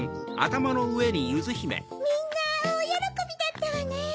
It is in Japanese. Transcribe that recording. みんなおおよろこびだったわね。